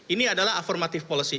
ini adalah affirmative policy